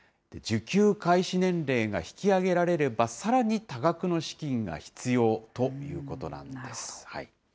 受給開始年齢が引き上げられれば、さらに多額の資金が必要ということなんです。